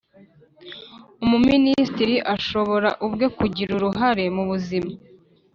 Umuminisitiri ashobora ubwe kugira uruhare mubuzima